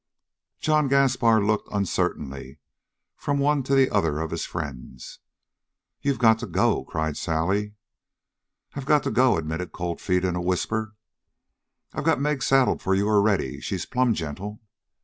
John Gaspar looked uncertainly from one to the other of his friends. "You've got to go!" cried Sally. "I've got to go," admitted Cold Feet in a whisper. "I've got Meg saddled for you already. She's plumb gentle."